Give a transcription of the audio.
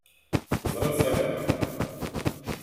Teẓriḍ sɛiɣ lḥeqq.